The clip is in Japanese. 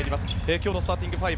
今日のスターティングファイブ